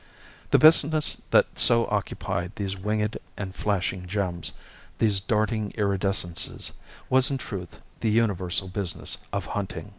The business that so occupied these winged and flashing gems, these darting iridescences, was in truth the universal business of hunting.